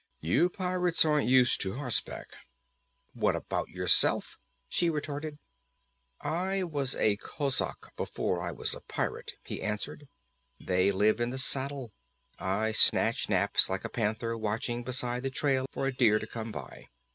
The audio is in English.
You pirates aren't used to horseback." "What about yourself?" she retorted. "I was a kozak before I was a pirate," he answered. "They live in the saddle. I snatch naps like a panther watching beside the trail for a deer to come by.